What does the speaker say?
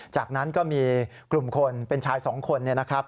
จากนั้นก็มีกลุ่มคนเป็นชาย๒คน